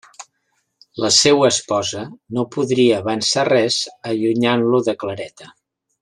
La seua esposa no podria avançar res allunyant-lo de Clareta.